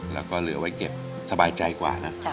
แล้วก็เหลือไว้เก็บสบายใจกว่านะ